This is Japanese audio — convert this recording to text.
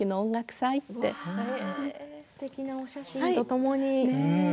すてきなお写真とともに。